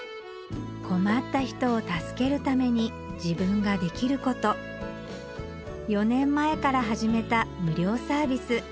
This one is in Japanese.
困った人を助けるために自分ができること４年前から始めた無料サービス